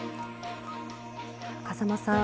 風間さん